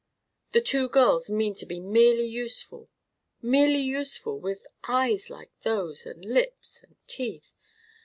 The two girls mean to be merely useful—merely useful, with eyes like those, and lips and teeth.